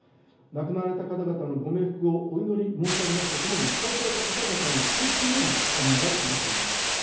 亡くなられた方々のご冥福をお祈り申し上げますとともに、被災された方々に衷心よりお見舞い申し上げます。